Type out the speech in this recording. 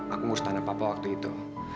aku ngurus tanah papa waktu itu